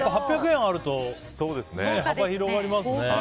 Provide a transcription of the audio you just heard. ８００円あると幅が広がりますね。